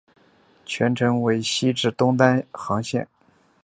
全程为西至东单行线。